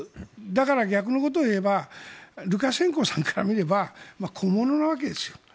だから、逆のことを言えばルカシェンコさんから見れば小物なわけですよ。